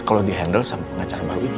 kalau di handle sama pengacara baru itu